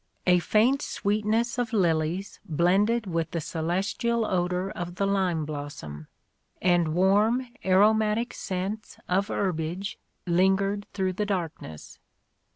A faint sweetness of lilies blended with the celestial odour of the lime blossom : and warm aromatic scents of herbage lingered through the darkness.